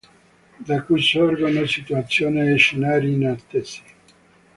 Da qui sorgono situazioni e scenari inattesi.